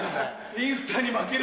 インスタに負けた。